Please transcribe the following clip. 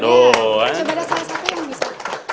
coba ada salah satu yang bisa